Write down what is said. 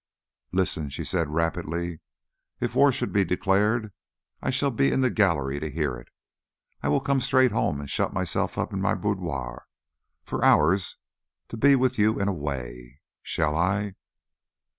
"Listen," she said rapidly, "if war should be declared I shall be in the gallery to hear it. I will come straight home and shut myself up in my boudoir for hours to be with you in a way Shall I?